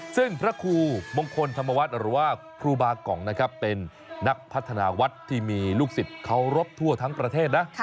ซึ่งพระครูมงคลธรรมวัฒน์หรือว่าครูบากองนะครับเป็นนักพัฒนาวัดที่มีลูกศิษย์เคารพทั่วทั้งประเทศนะ